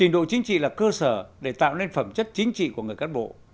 đây là nền phẩm chất chính trị của người cán bộ